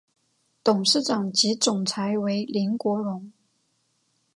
董事长及总裁为林国荣。